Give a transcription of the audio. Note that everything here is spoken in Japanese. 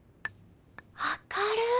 明るい。